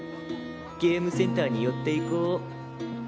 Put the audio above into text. ゲームセンターに寄っていこう。